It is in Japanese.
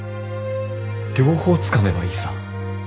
両方つかめばいいさ。